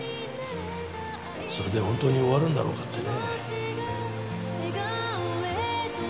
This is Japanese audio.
それで本当に終わるんだろうかってね。